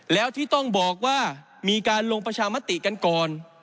แล้วที่ต้องบอกว่ามีการลงประชามติกันก่อน